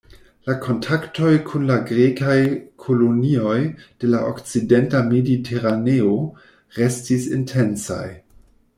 La kontaktoj kun la grekaj kolonioj de la okcidenta mediteraneo restis intensaj.